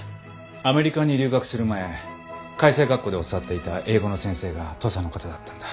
アメリカに留学する前開成学校で教わっていた英語の先生が土佐の方だったんだ。